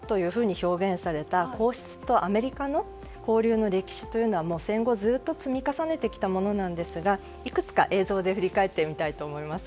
この陛下が特別なものというふうに表現された、皇室とアメリカの交流の歴史というのは戦後ずっと積み重ねてきたものなんですがいくつか映像で振り返りたいと思います。